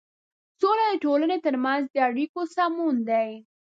سوله د ټولنې تر منځ د اړيکو سمون دی.